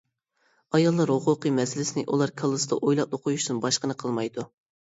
ئاياللار ھوقۇقى مەسىلىسىنى ئۇلار كاللىسىدا ئويلاپلا قويۇشتىن باشقىنى قىلمايدۇ.